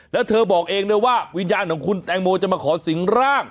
แล้วเธอบอกเองด้วยว่าวิญญาณของคุณแตงโมจะมาขอสิงร่าง